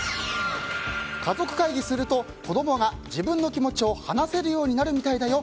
かぞくかいぎすると子供が自分の気持ちを話せるようになるみたいだよ。